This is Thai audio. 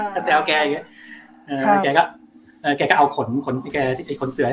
ก็แซวแกอย่างเงี้แกก็เอ่อแกก็เอาขนขนที่แกไอ้ขนเสือ